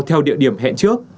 theo địa điểm hẹn trước